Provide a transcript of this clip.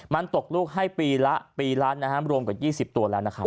มันตกลูกให้ปีละปีล้านนะฮะรวมกว่า๒๐ตัวแล้วนะครับ